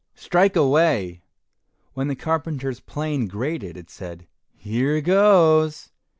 strike away." When the carpenter's plane grated, it said, "Here goes!